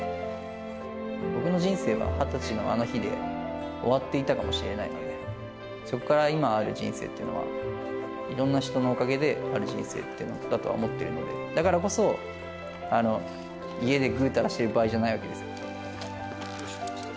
僕の人生は２０歳のあの日で、終わっていたかもしれないので、そこから今ある人生っていうのは、いろんな人のおかげである人生だと思ってるので、だからこそ、家でぐうたらしてる場合じゃないわけですよね。